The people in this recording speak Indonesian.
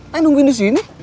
tanya nungguin di sini